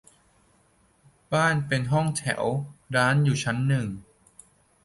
บ้านเป็นห้องแถว ร้านอยู่ชั้นหนึ่ง